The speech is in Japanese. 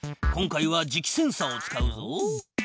今回は磁気センサを使うぞ。